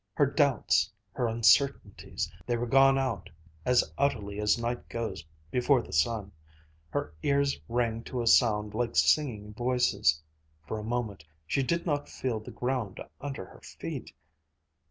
Her doubts, her uncertainties, they were gone out, as utterly as night goes before the sun. Her ears rang to a sound like singing voices. For a moment she did not feel the ground under her feet....